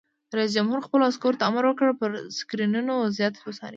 رئیس جمهور خپلو عسکرو ته امر وکړ؛ پر سکرینونو وضعیت وڅارئ!